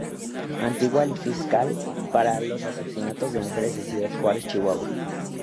Antigua fiscal para los Asesinatos de Mujeres en Ciudad Juárez, Chihuahua.